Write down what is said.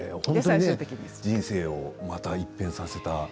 本当にね人生をまた一変させた。